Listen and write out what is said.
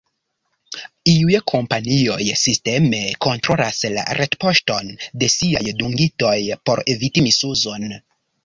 Iuj kompanioj sisteme kontrolas la retpoŝton de siaj dungitoj por eviti misuzon.